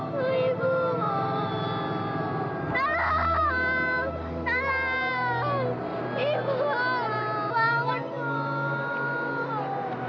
saya juga enggak tahu pak